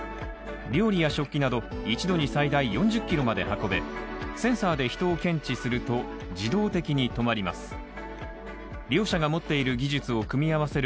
料理や食器など、一度に最大４０キロまで運べ、センサーで人を検知すると自動的に止まります。